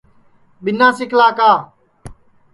ٻینا سکلا کا